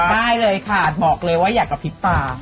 ได้เลยค่ะบอกเลยว่าอยากกระพริบตา